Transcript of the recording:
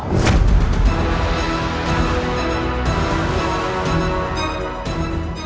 kenapa guru dia